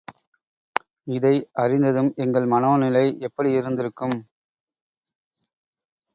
இதை அறிந்ததும் எங்கள் மனோநிலை எப்படி இருந்திருக்கும்?